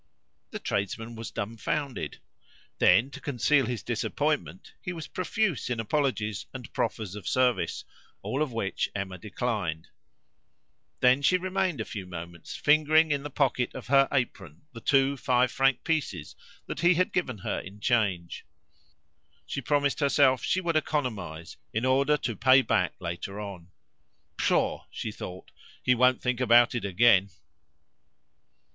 The tradesman was dumfounded. Then, to conceal his disappointment, he was profuse in apologies and proffers of service, all of which Emma declined; then she remained a few moments fingering in the pocket of her apron the two five franc pieces that he had given her in change. She promised herself she would economise in order to pay back later on. "Pshaw!" she thought, "he won't think about it again."